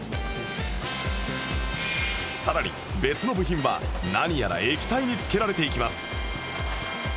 さらに別の部品は何やら液体につけられていきます